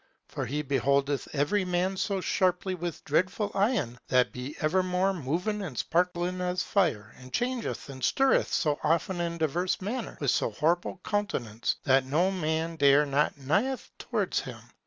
For he beholdeth every man so sharply with dreadful eyen, that be evermore moving and sparkling as fire, and changeth and stirreth so often in diverse manner, with so horrible countenance, that no man dare not neighen towards him.